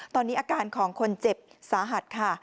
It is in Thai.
ตอนนี้อาการของคนเจ็บสาหัสค่ะ